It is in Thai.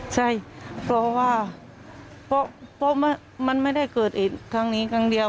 ใช่เพราะว่าเพราะมันไม่ได้เกิดเหตุครั้งนี้ครั้งเดียว